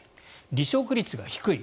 離職陸が低い。